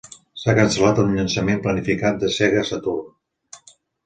S'ha cancel·lat un llançament planificat de Sega Saturn.